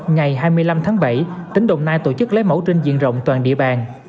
ngày hai mươi năm tháng bảy tỉnh đồng nai tổ chức lấy mẫu trên diện rộng toàn địa bàn